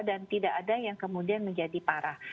dan tidak ada yang kemudian menjadi parah